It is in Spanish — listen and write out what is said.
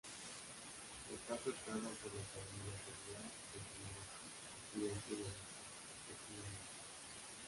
Está surcado por las avenidas Bolívar y Centenario, occidente y oriente, respectivamente.